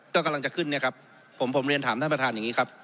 ก็กำลังจะขึ้นเนี่ยครับผมผมเรียนถามท่านประธานอย่างนี้ครับ